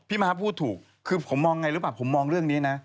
ม้าพูดถูกคือผมมองไงหรือเปล่าผมมองเรื่องนี้นะ